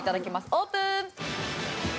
オープン！